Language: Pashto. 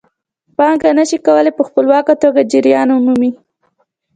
پانګه نشي کولای په خپلواکه توګه جریان ومومي